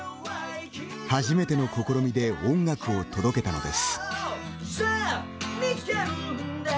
初めての試みで音楽を届けたのです。